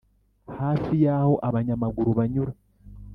hafi yaho abanyamaguru banyura